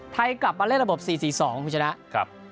กลับมาเล่นระบบ๔๔๒คุณชนะ